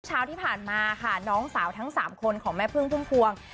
เช้าที่ผ่านมาค่ะน้องสาวทั้ง๓คนของแม่พึ่งพุ่มพวง